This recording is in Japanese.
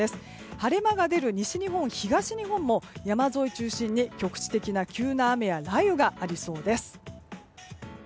晴れ間が出る西日本、東日本も山沿いを中心に局地的な急な雨や雷雨がありそうです。